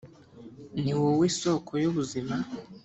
ni wowe soko y’ubuzima